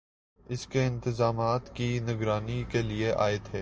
اس کے انتظامات کی نگرانی کیلئے آئے تھے